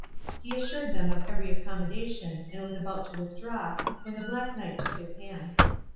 He assured them of every accommodation, and was about to withdraw when the Black Knight took his hand.